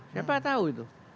siapa tahu itu